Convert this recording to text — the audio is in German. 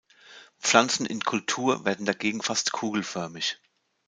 Pflanzen in Kultur werden dagegen fast kugelförmig.